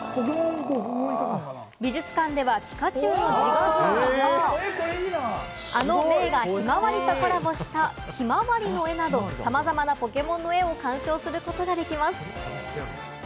美術館ではピカチュウの『自画像』や、あの名画『ひまわり』とコラボした『キマワリ』の絵など、さまざまな『ポケモン』の絵を鑑賞することができます。